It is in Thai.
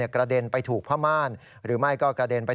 กระเด็นไปถูกผ้าม่าญหรือไม่